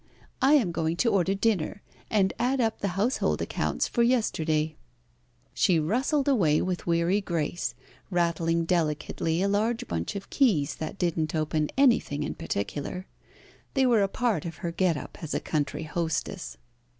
I am going to order dinner, and add up the household accounts for yesterday." She rustled away with weary grace, rattling delicately a large bunch of keys that didn't open any thing in particular. They were a part of her get up as a country hostess.